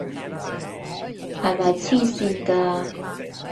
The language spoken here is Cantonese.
係咪癡線㗎？